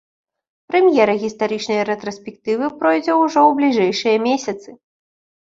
Прэм'ера гістарычнай рэтраспектывы пройдзе ўжо ў бліжэйшыя месяцы.